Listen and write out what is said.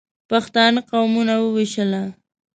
پښتانه قومونه ووېشله.